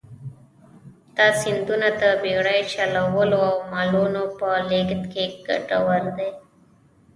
دا سیندونه د بېړۍ چلولو او مالونو په لېږد کې کټوردي.